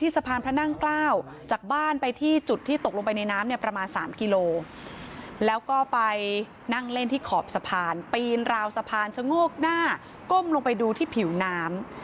สะพานปีนราวสะพานชะโงกหน้าก้มลงไปดูที่ผิวน้ำ